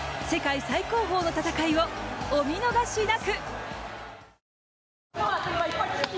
世界最高峰の戦いをお見逃しなく。